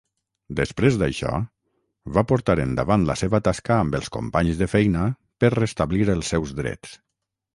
Després d'això, va portar endavant la seva tasca amb els companys de feina per restablir els seus drets.